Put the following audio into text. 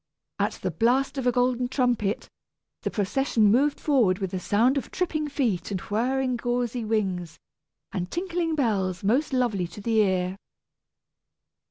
At the blast of a golden trumpet, the procession moved forward with a sound of tripping feet and whirring gauzy wings and tinkling bells most lovely to the ear.